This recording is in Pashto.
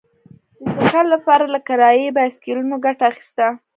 د چکر لپاره له کرايي بایسکلونو ګټه اخیسته.